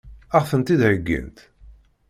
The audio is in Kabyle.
Ad ɣ-tent-id-heggint?